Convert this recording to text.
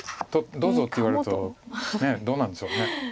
どうぞって言われるとねえどうなんでしょう。